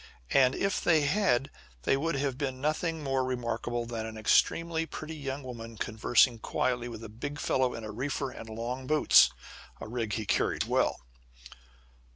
And, if they had, they would have seen nothing more remarkable than an extremely pretty young woman conversing quietly with a big fellow in a reefer and long boots a rig he carried well.